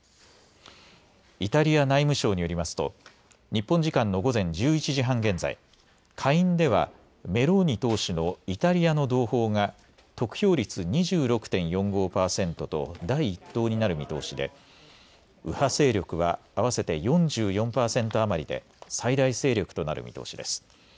イタリア内務省によりますと日本時間の午前１１時半現在下院ではメローニ党首のイタリアの同胞が得票率２６．４５％と第１党になる見通しで、右派勢力は合わせて４４％余りで最大勢力となる見通しです。